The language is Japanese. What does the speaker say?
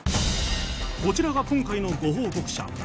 こちらが今回のご報告者